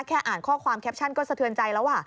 อ่านข้อความแคปชั่นก็สะเทือนใจแล้ว